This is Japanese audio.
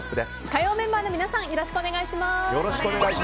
火曜メンバーの皆さんよろしくお願いします。